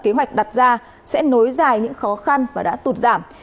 kế hoạch đặt ra sẽ nối dài những khó khăn và đã tụt giảm